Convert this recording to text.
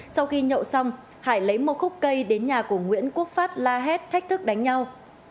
sau khi nhậu xong hải lấy một khúc cây đến nhà của nguyễn quốc phát la hét thách thức đánh nhau